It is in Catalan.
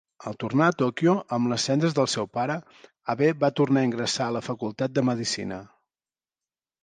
Al tornar a Tòquio amb les cendres del seu pare, Abe va tornar a ingressar a la facultat de medicina.